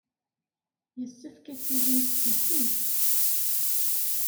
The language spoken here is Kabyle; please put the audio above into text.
Yessefk ad tilimt tukimt.